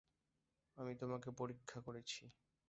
আমি তোমাকে পরীক্ষা করেছি।